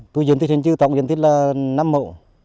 tôi diễn tích hình chư tổng diễn tích là năm mẫu